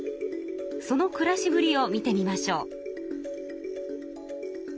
そのくらしぶりを見てみましょう。